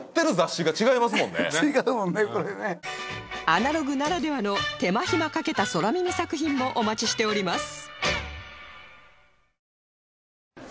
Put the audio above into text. アナログならではの手間暇かけた空耳作品もお待ちしております